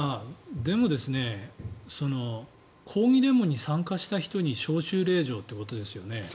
抗議デモに参加した人に招集令状っていうことですよね。